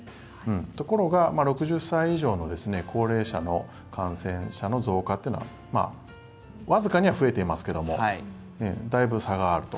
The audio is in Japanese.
ところが６０歳以上の高齢者の感染者の増加というのはわずかには増えていますがだいぶ差があると。